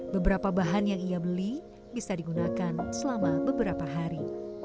beberapa bahan yang ia beli bisa digunakan selama beberapa hari